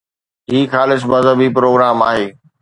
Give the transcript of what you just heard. هي خالص مذهبي پروگرام آهي